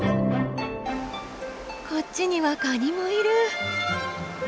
こっちにはカニもいる！